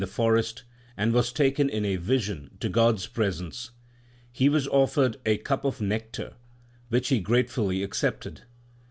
34 THE SIKH RELIGION forest, and was taken in a vision to God s presence. He was offered a cup of nectar, which he gratefully accepted.